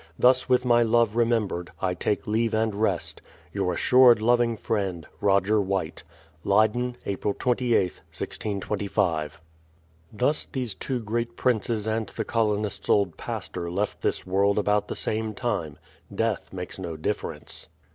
Thus with my love remem bered, I take leave and rest. Your assured loving friend, Leydm, April 2Sth, 1625. ROGER WHITE. Thus these two great princes and the colonists' old pastor left this world about the same time: Death makes no difference.